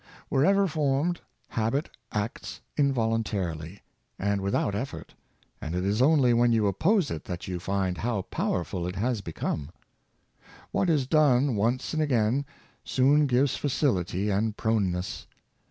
'' Wherever formed, habit acts involuntarily, and with out effort, and it is only when you oppose it that you find how powerful it has become. What is done once and again, soon gives facility and proneness.